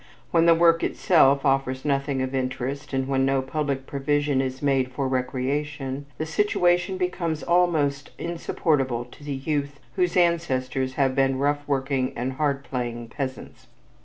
When the work itself offers nothing of interest, and when no public provision is made for recreation, the situation becomes almost insupportable to the youth whose ancestors have been rough working and hard playing peasants.